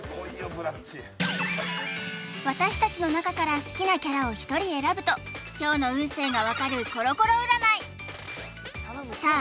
ブラッチ私たちの中から好きなキャラを１人選ぶと今日の運勢が分かるコロコロ占いさあ